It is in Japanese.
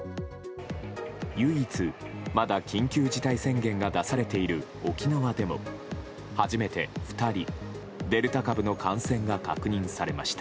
唯一、まだ緊急事態宣言が出されている沖縄でも初めて２人、デルタ株の感染が確認されました。